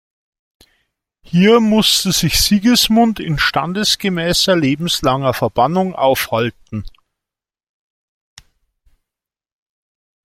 Hier musste sich Sigismund in standesgemäßer lebenslanger Verbannung aufhalten.